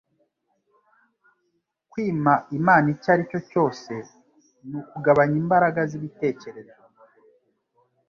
Kwima Imana icyo ari cyo cyose, ni ukugabanya imbaraga z'ibitekerezo